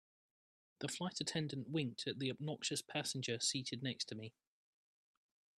The flight attendant winked at the obnoxious passenger seated next to me.